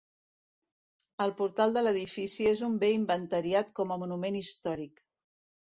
El portal de l'edifici és un bé inventariat com a monument històric.